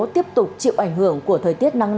tiếp tục chịu ảnh hưởng của thời tiết năng năng